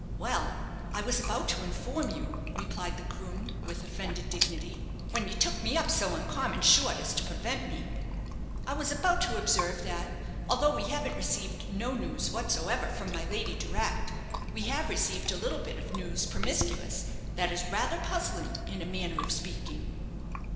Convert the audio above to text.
"Well, I was about to inform you," replied the groom, with offended dignity, "when you took me up so uncommon short as to prevent me I was about to observe that, although we haven't received no news whatsoever from my lady direct, we have received a little bit of news promiscuous that is rather puzzling, in a manner of speaking."